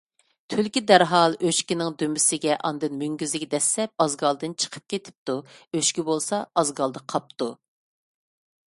تۈلكە دەرھال ئۆچكىنىڭ دۈمبىسىگە، ئاندىن مۆڭگۈزىگە دەسسەپ ئازگالدىن چىقىپ كېتىپتۇ. ئۆچكە بولسا، ئازگالدا قاپتۇ.